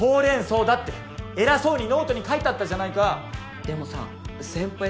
そうだって偉そうにノートに書いてあったじゃないかでもさ先輩